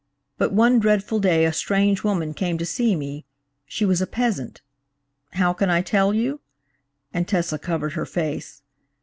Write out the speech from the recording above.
But one dreadful day a strange woman came to see me. She was a peasant. How can I tell you?"–and Tessa covered her face.